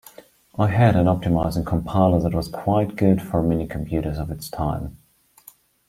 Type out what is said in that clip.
It had an optimizing compiler that was quite good for minicomputers of its time.